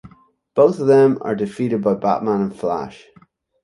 Both of them are defeated by Batman and Flash.